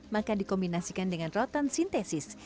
maka dikombinasikan dengan rotan sintesis